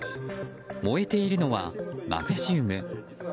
燃えているのはマグネシウム。